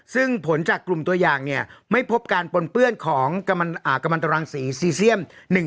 ซึ่งผลจากกลุ่มตัวอย่างเนี่ยไม่พบการปนเปื้อนของกำลังตรังสีซีเซียม